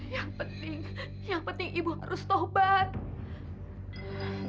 yang penting yang penting ibu harus taubat